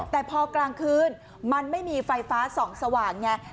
แต่พอกลางคืนมันไม่มีไฟฟ้า๒สว่างเนี่ย